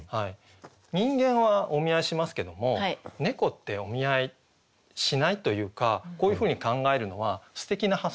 人間はお見合いしますけども猫ってお見合いしないというかこういうふうに考えるのはすてきな発想ですよね。